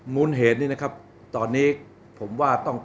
มูลเหตุนี้นะครับตอนนี้ผมว่าต้อง